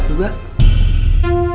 cepat kita makan